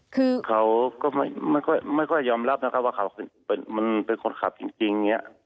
เขาก็ไม่ค่อยยอมรับนะครับว่าเขาเป็นคนขับจริง